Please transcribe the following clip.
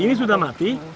ini sudah mati